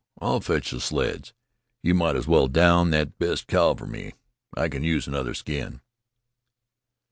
I'll fetch the sleds. You might as well down thet best cow for me. I can use another skin."